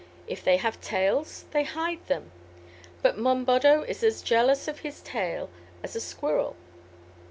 If they have tails they hide them; but Monboddo is as jealous of his tail as a squirrel."